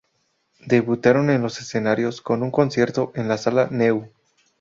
Debutaron en los escenarios con un concierto en la sala Neu!